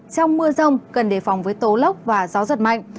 trong mưa rông cần đề phòng với tố lốc và gió giật mạnh